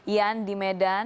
ian di medan